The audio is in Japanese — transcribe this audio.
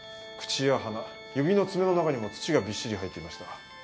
口や鼻指の爪の中にも土がびっしり入っていました。